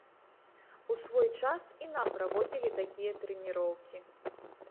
У свой час і нам праводзілі такія трэніроўкі.